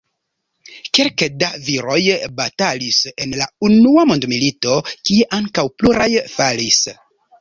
Kelke da viroj batalis en la unua mondmilito, kie ankaŭ pluraj falis.